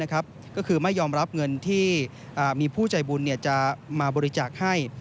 ก็คือไม่ยอมรับเงินที่มีผู้ใจบุญจะมาบริจาคให้